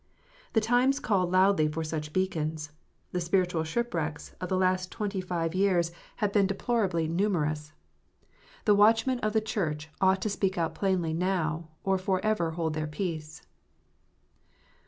The times caU loudly for such beacons : the spiritual shipwrecks of the last twenty five years 325 326 KNOTS UNTIED. have been deplorably numerous. The watchmen of the Church ought to speak out plainly now, or for ever hold their peace.